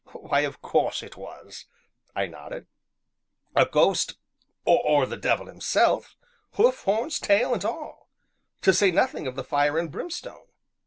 "Why, of course it was," I nodded, "a ghost, or the devil himself, hoof, horns, tail, and all to say nothing of the fire and brimstone."